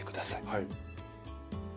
はい。